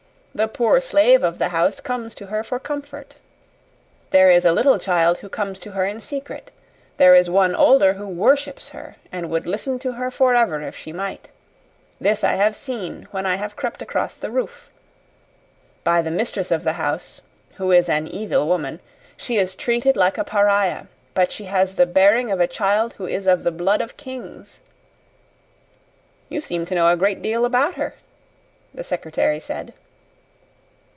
The poor slave of the house comes to her for comfort. There is a little child who comes to her in secret; there is one older who worships her and would listen to her forever if she might. This I have seen when I have crept across the roof. By the mistress of the house who is an evil woman she is treated like a pariah; but she has the bearing of a child who is of the blood of kings!" "You seem to know a great deal about her," the secretary said.